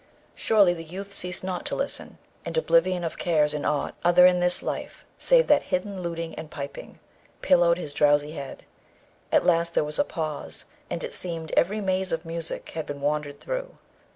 Surely, the youth ceased not to listen, and oblivion of cares and aught other in this life, save that hidden luting and piping, pillowed his drowsy head. At last there was a pause, and it seemed every maze of music had been wandered through.